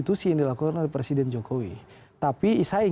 tapi setelah perbedaan konteks fai dan fraksi fraksi lain